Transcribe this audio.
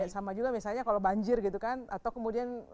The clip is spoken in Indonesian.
sama juga misalnya kalau banjir gitu kan atau kemudian